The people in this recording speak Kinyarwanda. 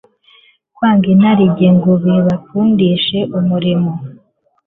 kwanga inarijye ngo bibakundishe umurimo